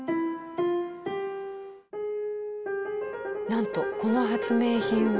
なんとこの発明品は。